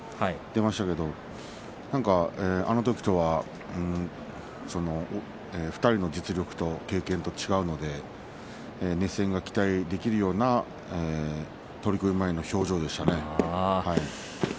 出ましたけれども何か、あのときとは２人の実力と経験が違うので熱戦が期待できるような取組前の表情でしたね。